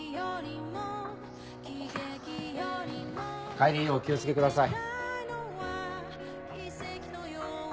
帰りお気を付けください。